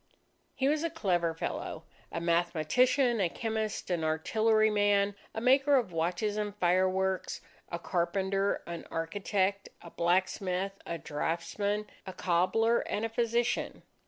He was a clever fellow, a mathematician, a chemist, an artilleryman, a maker of watches and fireworks, a carpenter, an architect, a blacksmith, a draughtsman, a cobbler, and a physician.